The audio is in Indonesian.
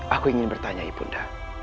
aku ingin bertanya ibu nda